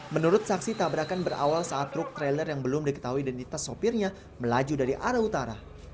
menurut saksi tabrakan berawal saat truk trailer yang belum diketahui identitas sopirnya melaju dari arah utara